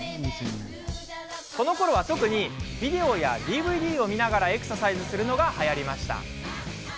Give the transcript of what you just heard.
このころは特にビデオやＤＶＤを見ながらエクササイズするのがはやりました。